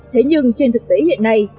thế nhưng trên thực tế hiện nay